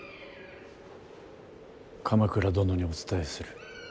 鎌倉殿にお伝えする。